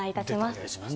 お願いします。